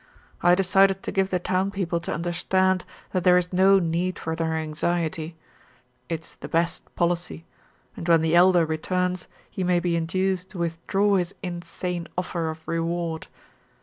I decided to give the town people to understand that there is no need for their anxiety. It's the best policy, and when the Elder returns, he may be induced to withdraw his insane offer of reward.